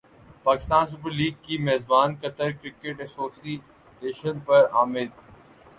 Pakistan Super League کی میزبانیقطر cricket association پر امید